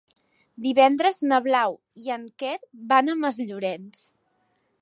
Divendres na Blau i en Quer van a Masllorenç.